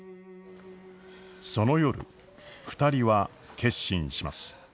その夜２人は決心します。